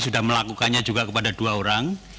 sudah melakukannya juga kepada dua orang